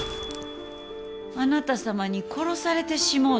あなた様に殺されてしもうた。